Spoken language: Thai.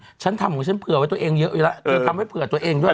ฉันทำของฉันเผื่อไว้ตัวเองเยอะอยู่แล้วเธอทำให้เผื่อตัวเองด้วย